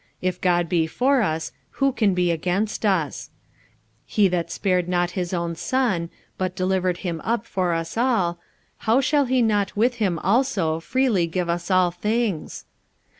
If God be for us, who can be against us? 45:008:032 He that spared not his own Son, but delivered him up for us all, how shall he not with him also freely give us all things?